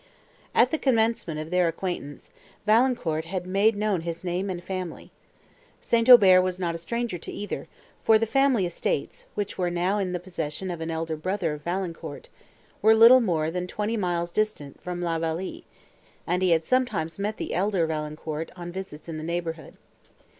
At the commencement of their acquaintance, Valancourt had made known his name and family. St. Aubert was not a stranger to either, for the family estates, which were now in the possession of an elder brother of Valancourt, were little more than twenty miles distant from La Vallée, and he had sometimes met the elder Valancourt on visits in the neighbourhood.